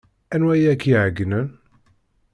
Anwa ay ak-iɛeyynen?